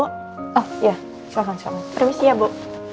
oh iya silahkan silahkan permisi ya bu